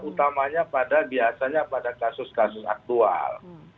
utamanya pada biasanya pada kasus kasus aktual